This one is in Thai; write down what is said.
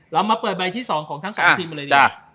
แล้วเอามาเปิดใบที่๒ของทั้ง๒ทีมมาเลย